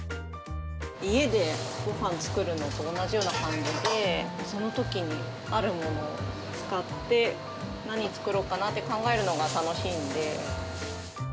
家でごはん作るのと同じような感じで、そのときにあるものを使って、何作ろうかなって考えるのが楽しいんで。